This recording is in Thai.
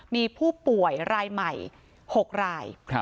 มีผู้ป่วยรายใหม่๖ราย